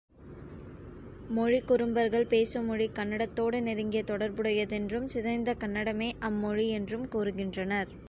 மொழி குறும்பர்கள் பேசும் மொழி கன்னடத்தோடு நெருங்கிய தொடர்புடையதென்றும், சிதைந்த கன்னடமே அம்மொழி என்றும் கூறுகின்றனர்.